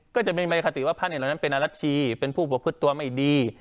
ก็จะมีมัยคติว่าพระเนธเหล่านั้นเป็นอรัชชีเป็นผู้ประพฤติตัวไม่ดี